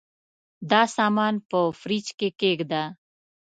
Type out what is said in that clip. دا سامان په فریج کي کښېږده.